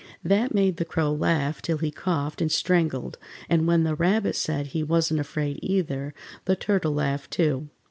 That made the Crow laugh till he coughed and strangled, and when the Rabbit said he wasn't afraid, either, the Turtle laughed, too.